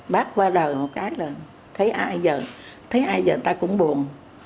bác qua đời một cái là thấy ai giờ thấy ai giờ người ta cũng buồn